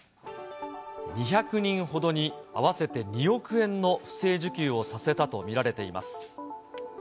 ２００人ほどに、合わせて２億円の不正受給をさせたと見られています。